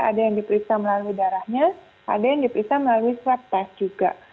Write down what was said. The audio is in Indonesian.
ada yang diperiksa melalui darahnya ada yang diperiksa melalui swab test juga